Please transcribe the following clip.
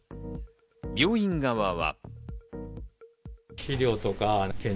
病院側は。